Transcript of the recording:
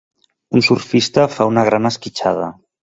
un surfista fa una gran esquitxada.